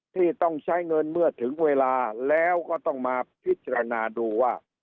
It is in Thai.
ที่ต้องใช้เงินเมื่อถึงเวลาแล้วก็ต้องมาพิจารณาดูว่า